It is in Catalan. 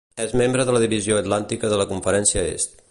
És membre de la Divisió Atlàntica de la Conferència Est.